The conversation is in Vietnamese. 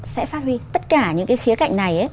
sẽ phát huy tất cả những cái khía cạnh này